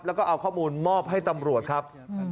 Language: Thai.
แล้วก็เอาข้อมูลมอบให้ตำรวจครับ